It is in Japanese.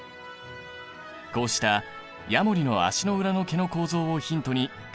こうしたヤモリの足の裏の毛の構造をヒントに開発中のテープ。